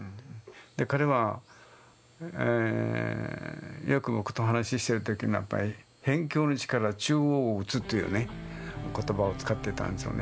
彼はよく僕と話してる時にやっぱりというね言葉を使ってたんですよね。